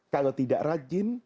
kalau tidak rajin